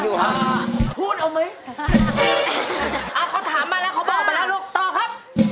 เขาถามมาแล้วเขาบอกมาแล้วลูกต่อครับ